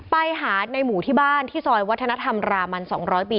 ไปหาในหมู่ที่บ้านที่ซอยวัฒนธรรมรามัน๒๐๐ปี